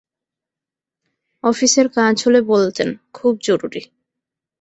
অফিসের কাজ হলে বলতেন, খুব জরুরি।